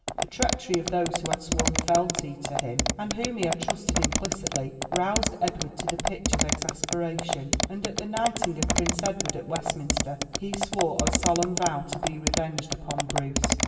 The treachery of those who had sworn fealty to him, and whom he had trusted implicitly, roused Edward to the pitch of exasperation, and at the knighting of Prince Edward at Westminster, he swore a solemn vow to be revenged upon Bruce.